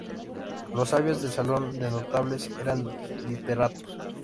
Los sabios del Salón de Notables eran literatos.